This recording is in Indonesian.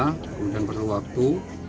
kemudian perlu waktu